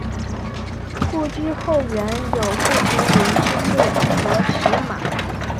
故居后园有顾亭林之墓和石马。